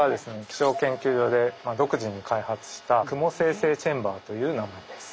気象研究所で独自に開発した「雲生成チェンバー」という名前です。